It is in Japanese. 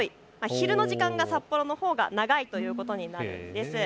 昼の時間が札幌のほうが長いということになるんです。